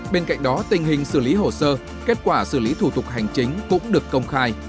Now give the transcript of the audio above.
bên cạnh đó tình hình xử lý hồ sơ kết quả xử lý thủ tục hành chính cũng được công khai